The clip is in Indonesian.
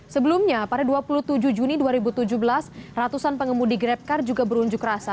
sebelumnya pada dua puluh tujuh juni dua ribu tujuh belas ratusan pengemudi grabcar juga berunjuk rasa